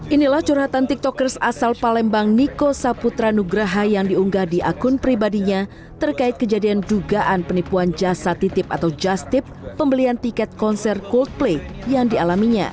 inilah curhatan tiktokers asal palembang niko saputra nugraha yang diunggah di akun pribadinya terkait kejadian dugaan penipuan jasa titip atau just tip pembelian tiket konser coldplay yang dialaminya